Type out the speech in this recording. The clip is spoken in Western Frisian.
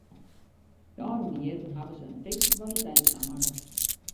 De ôfrûne jierren hawwe se in fikse kwaliteitsslach makke.